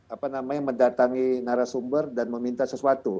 apa namanya mendatangi narasumber dan meminta sesuatu